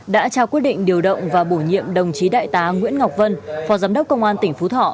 đã trao quyết định điều động và bổ nhiệm đồng chí đại tá nguyễn ngọc vân phó giám đốc công an tỉnh phú thọ